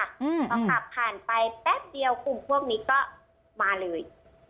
พอขับผ่านไปแป๊บเดียวกลุ่มพวกนี้ก็มาเลย